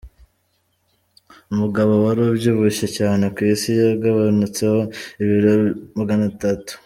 Umugabo wari ubyibushye cyane ku isi yagabanutseho ibiro maganatatu